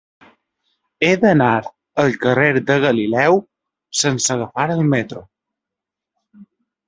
He d'anar al carrer de Galileu sense agafar el metro.